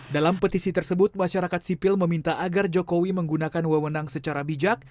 dalam petisi tersebut masyarakat sipil meminta agar jokowi menggunakan wewenang secara bijak